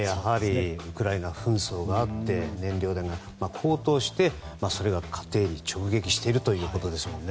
ウクライナ紛争があって燃料代が高騰してそれが家庭を直撃しているということですよね。